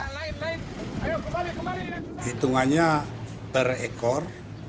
hitungannya per ekor